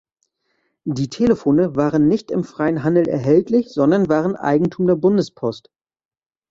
Die Telefone waren nicht im freien Handel erhältlich, sondern waren Eigentum der Bundespost.